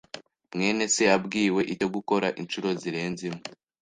mwene se yabwiwe icyo gukora inshuro zirenze imwe.